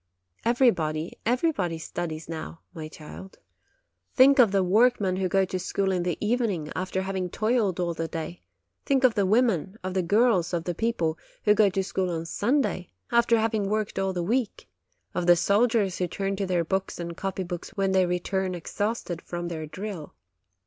Everybody, everybody studies now, my child. 1 8 OCTOBER Think of the workmen who go to school in the evening after having toiled all the day; think of the women, of the girls of the people, who go to school on Sunday, after having worked all the week; of the soldiers who turn to their books and copy books when they return exhausted from their drill